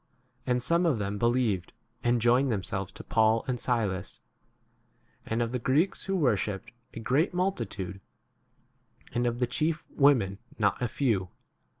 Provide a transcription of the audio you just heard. And some of them be lieved, and joined themselves to Paul and Silas, and of the Greeks who worshipped, a great multi tude, and of the chief women not 5 a few.